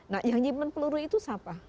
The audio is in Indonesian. nah yang dipakai peluru itu saya lihat saya lihat